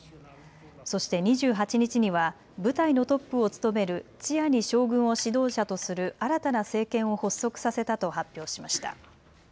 そして２８日には部隊のトップを務めるチアニ将軍を指導者とする新たな政権を発足させたと発表しました。